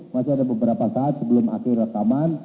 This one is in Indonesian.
masih ada beberapa saat sebelum akhir rekaman